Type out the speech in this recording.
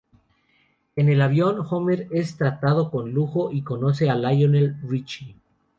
En el avión, Homer es tratado con lujo y conoce a Lionel Richie.